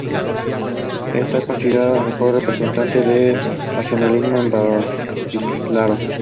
Está considerado el mejor representante del racionalismo en Bratislava.